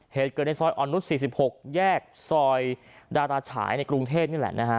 เหตุเกิดในซอยอ่อนนุษย์๔๖แยกซอยดาราฉายในกรุงเทพนี่แหละนะฮะ